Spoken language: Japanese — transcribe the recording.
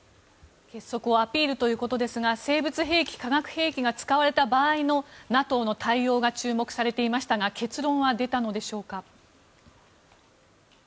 結束をアピールということですが生物兵器、化学兵器が使われた場合のＮＡＴＯの対応が注目されていましたが結論は出たのでしょうか。